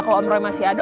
kalau om roy masih ada